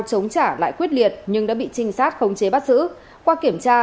chống trả lại quyết liệt nhưng đã bị trinh sát khống chế bắt giữ qua kiểm tra